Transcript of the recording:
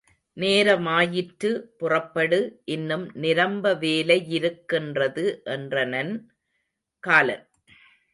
நேரமாயிற்று, புறப்படு, இன்னும் நிரம்ப வேலை யிருக்கின்றது என்றனன் காலன்.